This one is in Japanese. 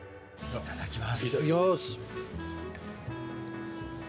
いただきます。